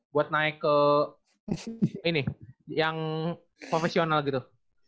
buat naik ke ini yang profesional gitu